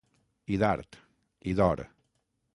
I d'art. I d'or.